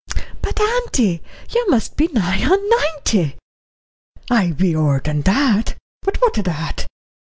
"But, auntie, you must be nigh on ninety." "I be ower that. But what o' that?